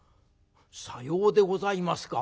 「さようでございますか。